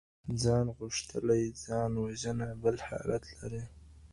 ځان غوښتلې ځان وژنه بل حالت لري.